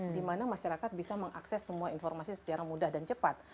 di mana masyarakat bisa mengakses semua informasi secara mudah dan cepat